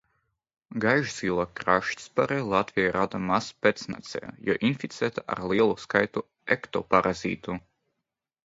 Gaišzilā krāšņspāre Latvijā rada maz pēcnācēju, jo inficēta ar lielu skaitu ektoparazītu.